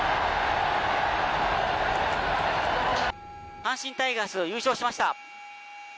阪神タイガースが優勝しました。